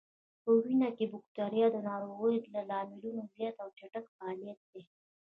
په وینه کې بکتریا د ناروغیو د لاملونو زیات او چټک فعالیت دی.